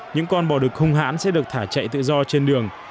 những con bò đực hung hãn sẽ được thả chạy tự do trên đường